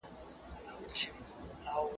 ژبه په دې ډول پراخېږي.